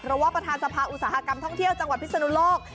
เพราะว่าประธานสภาอุตสาหกรรมท่องเที่ยวจังหวัดพิศนุโลก